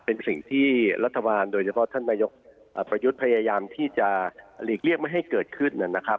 เป็นสิ่งที่รัฐบาลโดยเฉพาะท่านนายกประยุทธ์พยายามที่จะหลีกเลี่ยงไม่ให้เกิดขึ้นนะครับ